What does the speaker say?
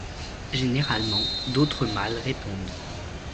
Généralement d’autres mâles répondent.